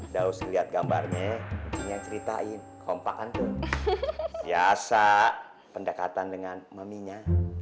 dahus lihat gambarnya ceritain kompakan tuh biasa pendekatan dengan maminya